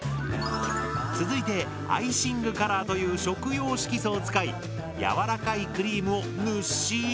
続いてアイシングカラーという食用色素を使い柔らかいクリームをぬっしー色に変える！